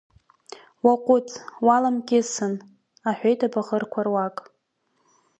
Уаҟәыҵ, уаламкьысын, — аҳәеит абаӷырқәа руак.